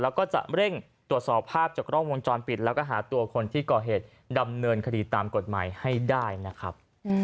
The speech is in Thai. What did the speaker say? แล้วก็จะเร่งตรวจสอบภาพจากกล้องวงจรปิดแล้วก็หาตัวคนที่ก่อเหตุดำเนินคดีตามกฎหมายให้ได้นะครับ